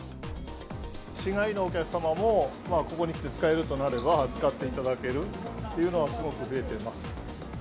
市外のお客様もここに来て使えるとなれば、使っていただけるっていうのはすごく増えています。